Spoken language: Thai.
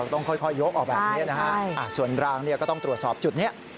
ต้องค่อยยกออกแบบนี้นะฮะส่วนรางเนี่ยก็ต้องตรวจสอบจุดนี้